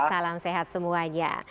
salam sehat semuanya